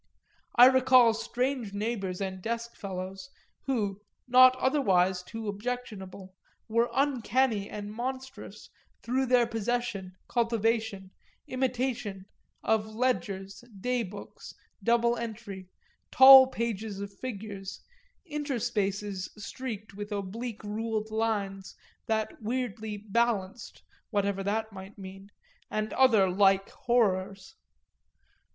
I recall strange neighbours and deskfellows who, not otherwise too objectionable, were uncanny and monstrous through their possession, cultivation, imitation of ledgers, daybooks, double entry, tall pages of figures, interspaces streaked with oblique ruled lines that weirdly "balanced," whatever that might mean, and other like horrors.